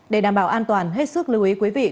để đảm bảo an toàn hết sức lưu ý quý vị